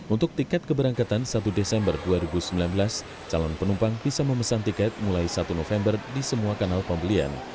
untuk tiket keberangkatan satu desember dua ribu sembilan belas calon penumpang bisa memesan tiket mulai satu november di semua kanal pembelian